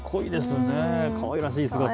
かわいらしい。